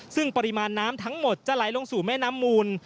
ซึ่งปริมาณน้ำทั้งหมดจะไหลลงสู่แม่น้ำมูล